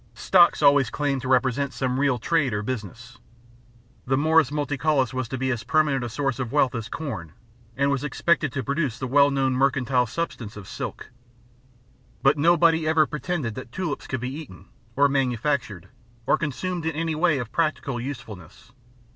Stocks always claim to represent some real trade or business. The morus multicaulis was to be as permanent a source of wealth as corn, and was expected to produce the well known mercantile substance of silk. But nobody ever pretended that tulips could be eaten, or manufactured, or consumed in any way of practical usefulness.